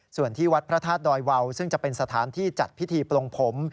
ส่วนที่วัดพระธาตุดอยวาวซึ่งจะเป็นสถานที่จัดพิธีปลงผม